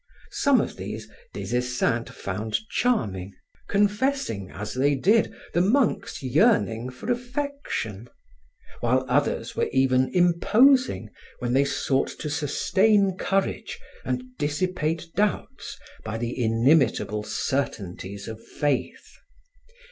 Some of these Des Esseintes found charming, confessing as they did the monk's yearning for affection, while others were even imposing when they sought to sustain courage and dissipate doubts by the inimitable certainties of Faith.